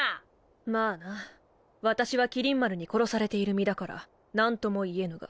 まあな私は麒麟丸に殺されている身だから何とも言えぬが。